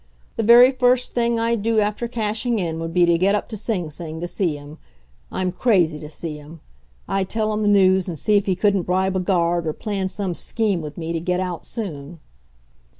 The very first thing I'd do after cashing in, would be to get up to Sing Sing to see him. I'm crazy to see him. I'd tell him the news and see if he couldn't bribe a guard, or plan some scheme with me to get out soon.